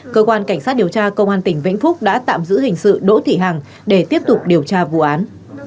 cơ quan cảnh sát điều tra công an tỉnh vĩnh phúc đã tạm giữ hình sự đỗ thị hằng để tiếp tục điều tra vụ án